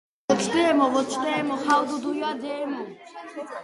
ვერკბუნდის წევრები დაკავებული იყვნენ გემოვნების საერთო დონის გაუმჯობესებით.